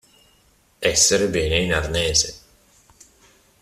Essere bene in arnese.